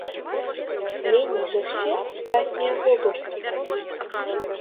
Меней, за ўсе астатнія вобласці!